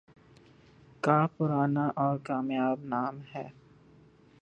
کا پرانا اور کامیاب نام ہے